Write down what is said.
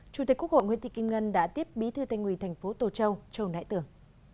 chủ tịch quốc hội nguyễn thị kim ngân đã tiếp bí thư thanh nguyên thành phố tô châu châu nại tưởng